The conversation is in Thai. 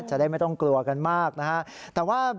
จะได้ไม่ต้องกลัวกันมากนะครับ